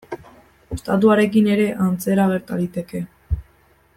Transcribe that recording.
Estatuarekin ere antzera gerta liteke.